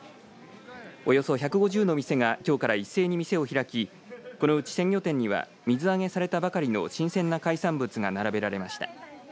およそ１５０の店がきょうから一斉に店を開きこのうち鮮魚店には水揚げされたばかりの新鮮な海産物が並べられました。